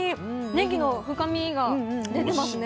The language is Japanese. ねぎの深みが出てますね。